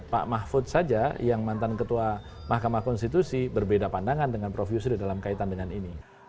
pak mahfud saja yang mantan ketua mahkamah konstitusi berbeda pandangan dengan prof yusril dalam kaitan dengan ini